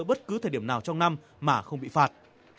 bất cứ thời điểm nào trong năm mà không bị phạt